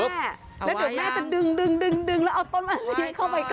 แล้วเดี๋ยวแม่จะดึงแล้วเอาต้นอะไรเข้าไปใกล้